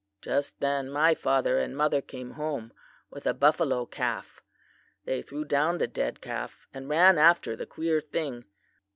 "'Just then my father and mother came home with a buffalo calf. They threw down the dead calf, and ran after the queer thing.